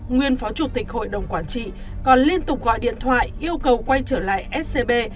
nguyên phó chủ tịch hội đồng quản trị còn liên tục gọi điện thoại yêu cầu quay trở lại scb